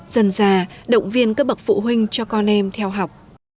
dần già động viên các bậc phụ huynh cho con em theo học